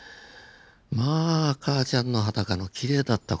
まあ母ちゃんの裸のきれいだった事。